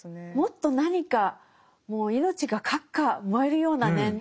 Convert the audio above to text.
もっと何かもう命がかっか燃えるようなね